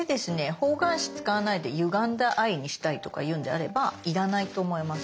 方眼紙使わないでゆがんだ「Ｉ」にしたいとかいうんであれば要らないと思います。